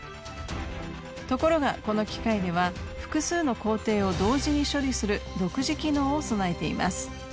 ところがこの機械では複数の工程を同時に処理する独自機能を備えています。